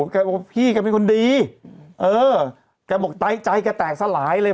แกบอกว่าพี่แกเป็นคนดีเออแกบอกใจใจแกแตกสลายเลย